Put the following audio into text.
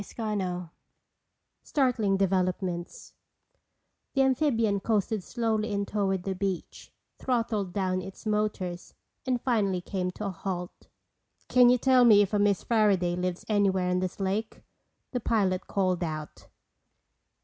CHAPTER VI Startling Developments The amphibian coasted slowly in toward the beach, throttled down its motors and finally came to a halt. "Can you tell me if a Miss Fairaday lives anywhere on this lake?" the pilot called out.